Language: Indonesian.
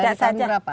dari tahun berapa